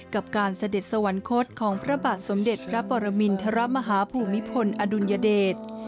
กับการเสด็จสวรรคตของพระบาทสมเด็จพระปรมินทรมาฮาภูมิพลอดุลยเดช